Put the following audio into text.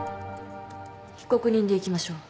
被告人でいきましょう。